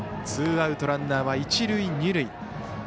ツーアウト、ランナーは一塁二塁。